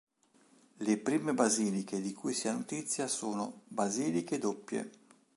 Le prime basiliche di cui si ha notizia sono "basiliche doppie".